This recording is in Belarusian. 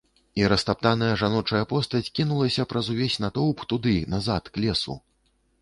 І растрапаная жаночая постаць кінулася праз увесь натоўп туды назад, к лесу.